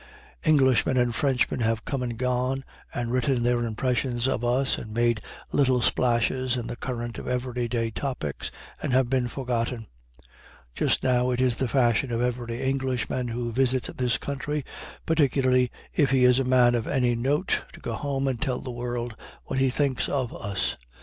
Englishmen and Frenchmen have come and gone, and written their impressions of us, and made little splashes in the current of every day topics, and have been forgotten. Just now it is the fashion for every Englishman who visits this country, particularly if he is a man of any note, to go home and tell the world what he thinks of us.